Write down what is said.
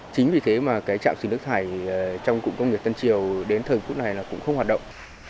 chính vì thế mà cái trạm xử lý nước thải trong cụm công nghiệp tân triều đến thời phút này là cũng không hoạt động